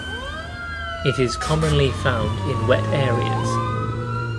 It is commonly found in wet areas.